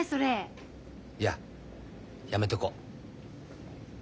いややめとこう。